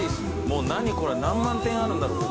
もう何これ何万点あるんだろう？